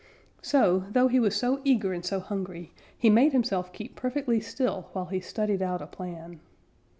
So, though he was so eager and so hungry, he made himself keep perfectly still, while he studied out a plan.